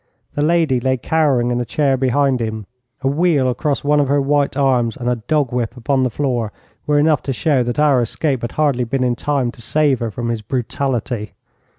The lady lay cowering in a chair behind him. A weal across one of her white arms and a dog whip upon the floor were enough to show that our escape had hardly been in time to save her from his brutality.